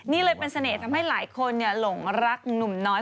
นี่เลยเป็นเสน่ห์ทำให้หลายคนหลงรักหนุ่มน้อย